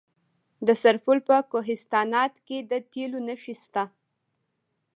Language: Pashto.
د سرپل په کوهستانات کې د تیلو نښې شته.